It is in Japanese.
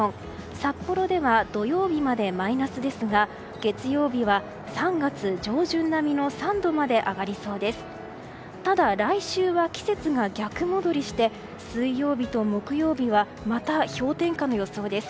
札幌では土曜日までマイナスですが月曜日は３月上旬並みの３度まで上がりそうです。